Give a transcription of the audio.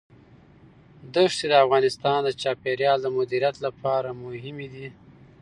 ښتې د افغانستان د چاپیریال د مدیریت لپاره مهم دي.